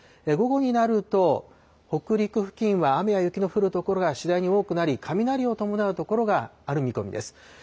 午後になると、北陸付近は雨や雪の降る所が次第に多くなり、雷を伴う所がある見込みです。